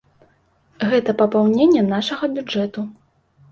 Гэта папаўненне нашага бюджэту.